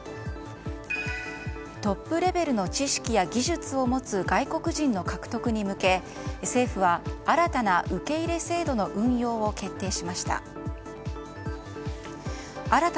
トップレベルの知識や技術を持つ外国人の獲得に向け政府は、新たな受け入れ制度の運用を決定しました。